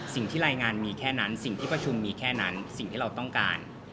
สิ่งที่รายงานมีแค่นั้นสิ่งที่ประชุมมีแค่นั้นสิ่งที่เราต้องการ